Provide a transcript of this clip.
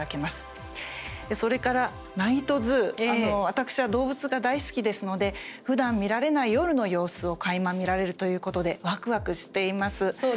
私は動物が大好きですのでふだん見られない夜の様子をかいま見られるということでわくわくしています。